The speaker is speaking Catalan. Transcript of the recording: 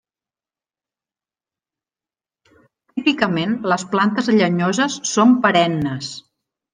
Típicament les plantes llenyoses són perennes.